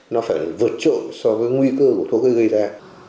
nó phải vượt trội so với nguy cơ của thuốc gây ra